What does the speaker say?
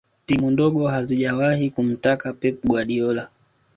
timu ndogo hazijawahi kumtaka pep guardiola